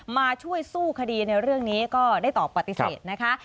มาช่วยสู้คดีในเรื่องนี้ก็ได้ตอบปฏิเสธนะคะ